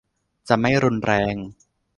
จะไม่รุนแรง